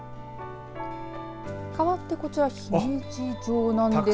かわってこちらは姫路城なんですが。